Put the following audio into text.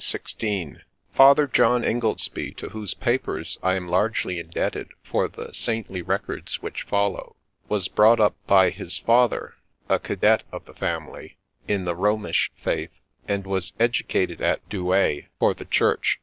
i'^9 Father John Ingoldsby, to whose papers I am largely indebted for the Saintly records which follow, was brought up by his father, a cadet of the family, in the Romish faith, and was educated at Douai for the Church.